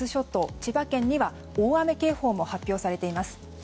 千葉県には大雨警報も発表されています。